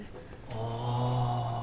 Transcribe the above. ああ